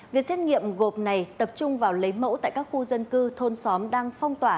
việc xét nghiệm gộp này tập trung vào lấy mẫu tại các khu dân cư thôn xóm đang phong tỏa